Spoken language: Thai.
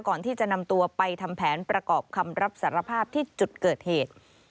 ก่อนที่จะนำตัวไปทำแผนประกอบคำรับสารภาพที่จุดเกิดเหตุ